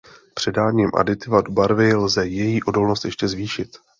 Přidáním aditiva do barvy lze její odolnost ještě zvýšit.